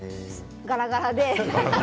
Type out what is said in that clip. ガラガラで。